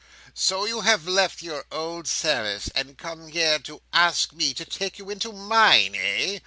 "So you have left your old service, and come here to ask me to take you into mine, eh?"